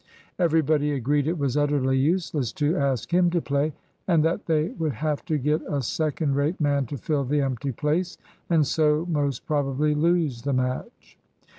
Everybody agreed it was utterly useless to ask him to play, and that they would have to get a second rate man to fill the empty place, and so most probably lose the match.